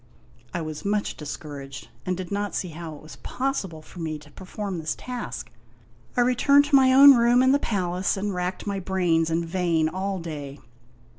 I was much discouraged, and did not see how it was possible for me to perform this task. I returned to my own room in the palace and racked my brains in vain all day.